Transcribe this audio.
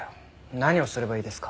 何をすればいいですか？